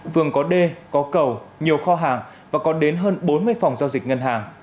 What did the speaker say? vườn có đê có cầu nhiều kho hàng và có đến hơn bốn mươi phòng giao dịch ngân hàng